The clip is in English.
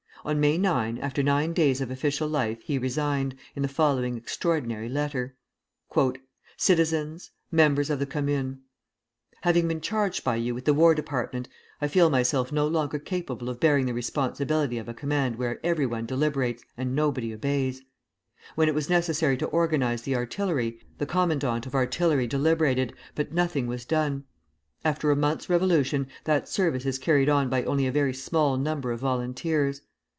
On May 9, after nine days of official life, he resigned, in the following extraordinary letter: CITIZENS, MEMBERS OF THE COMMUNE: Having been charged by you with the War Department, I feel myself no longer capable of bearing the responsibility of a command where everyone deliberates and nobody obeys. When it was necessary to organize the artillery, the commandant of artillery deliberated, but nothing was done. After a month's revolution, that service is carried on by only a very small number of volunteers.